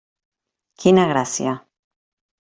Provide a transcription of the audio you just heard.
Quina gràcia!